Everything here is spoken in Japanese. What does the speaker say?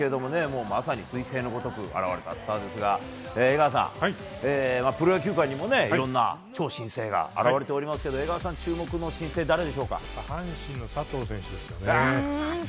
まさに彗星のごとく現れたスターですが江川さん、プロ野球界にもいろんな超新星が現れておりますけど江川さんの注目の新星は阪神の佐藤選手ですね。